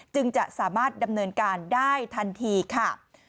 จึงจะสามารถดำเนินการได้ทันทีค่ะ